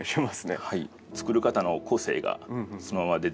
はい。